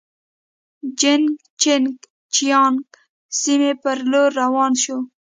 جین چنګ جیانګ سیمې پر لور روان شوو.